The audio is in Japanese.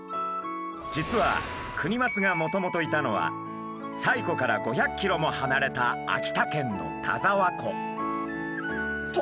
実はクニマスがもともといたのは西湖から５００ｋｍもはなれた秋田県の田沢湖。